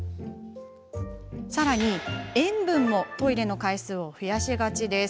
さらに塩分もトイレの回数を増やしがちです。